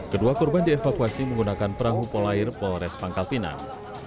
kedua korban dievakuasi menggunakan perahu polair polores panggal pinang